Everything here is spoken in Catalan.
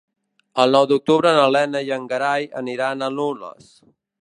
El nou d'octubre na Lena i en Gerai aniran a Nules.